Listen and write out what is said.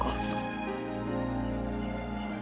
yaudah hati hati ya